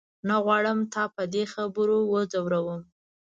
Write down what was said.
نه غواړم تا په دې خبرو وځوروم.